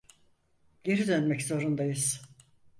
Geri dönmek zorundayız.